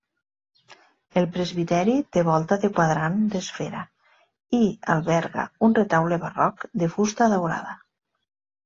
El presbiteri té volta de quadrant d'esfera i alberga un retaule barroc de fusta daurada.